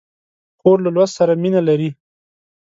خور له لوست سره مینه لري.